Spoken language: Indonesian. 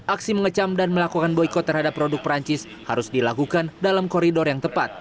aksi mengecam dan melakukan boykot terhadap produk perancis harus dilakukan dalam koridor yang tepat